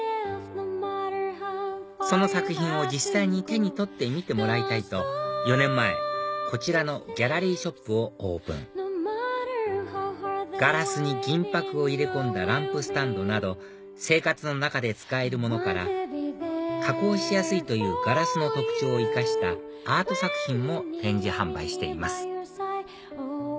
その作品を実際に手に取ってみてもらいたいと４年前こちらのギャラリーショップをオープンガラスに銀箔を入れ込んだランプスタンドなど生活の中で使えるものから加工しやすいというガラスの特徴を生かしたアート作品も展示販売しています